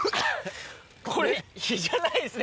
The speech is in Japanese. これ比じゃないですね